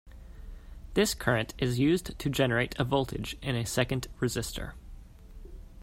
This current is used to generate a voltage in a second resistor.